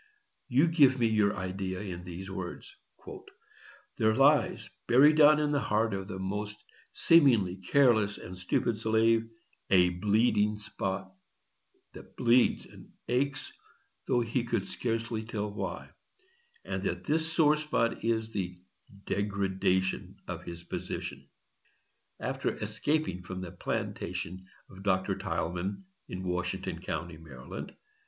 You give me your idea in these words: "There lies buried down in the heart of the most seemingly careless and stupid slave a bleeding spot, that bleeds and aches, though he could scarcely tell why; and that this sore spot is the degradation of his position." After escaping from the plantation of Dr. Tilghman, in Washington County, Md.